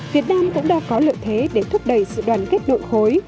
việt nam cũng đang có lợi thế để thúc đẩy sự đoàn kết nội khối